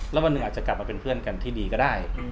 แล้ววันหนึ่งอาจจะกลับมาเป็นเพื่อนกันที่ดีก็ได้